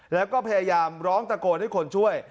แล้วก็พยายามร้องตะโกนให้คนช่วย